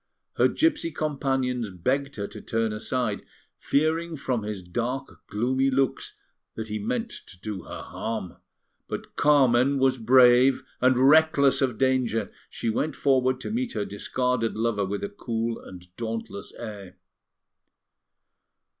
Her gipsy companions begged her to turn aside, fearing from his dark, gloomy looks that he meant to do her harm; but Carmen was brave, and, reckless of danger, she went forward to meet her discarded lover with a cool and dauntless air.